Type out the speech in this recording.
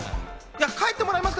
帰ってもらえますか？